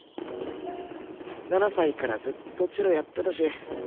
７歳からずっとチェロやってたし。